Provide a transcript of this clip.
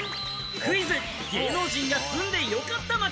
クイズ芸能人が住んでよかった街！